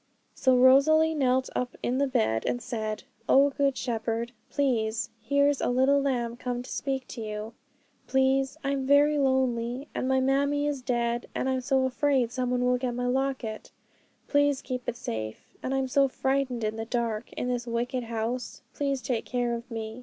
So Rosalie knelt up in bed, and said, 'O Good Shepherd, plase, here's a little lamb come to speak to you. Please I'm very lonely, and my mammie is dead, and I'm so afraid someone will get my locket; please keep it safe. And I'm so frightened in the dark in this wicked house; please take care of me.